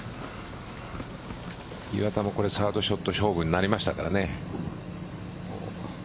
岩田もサードショット勝負になりましたからね。